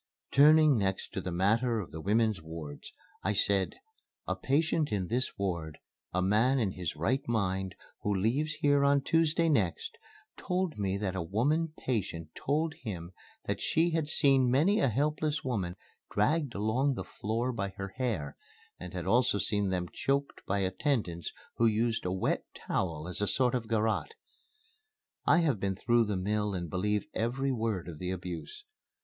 Turning next to the matter of the women's wards, I said: "A patient in this ward a man in his right mind, who leaves here on Tuesday next told me that a woman patient told him that she had seen many a helpless woman dragged along the floor by her hair, and had also seen them choked by attendants who used a wet towel as a sort of garrote. I have been through the mill and believe every word of the abuse.